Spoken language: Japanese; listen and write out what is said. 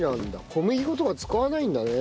小麦粉とか使わないんだね。